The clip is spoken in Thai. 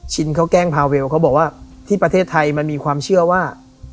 เขาแกล้งพาเวลเขาบอกว่าที่ประเทศไทยมันมีความเชื่อว่า